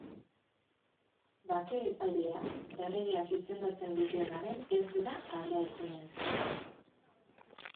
Bake-epaileak, erregeak izendatzen dituen arren ez dira aldaezinak.